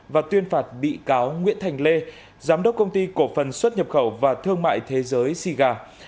và tuyên phạt bị cáo nguyễn thành lê giám đốc công ty cổ phần xuất nhập khẩu và thương mại thế giới xì gà